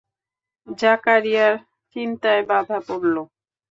জাকারিয়ার চিন্তায় বাধা পড়ল।